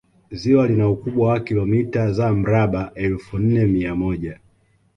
ziwa lina ukubwa wa kilomita za mraba elfu nne mia moja